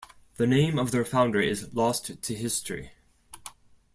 The name of their founder is lost to history.